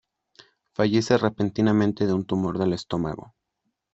Fallece repentinamente de un tumor del estómago.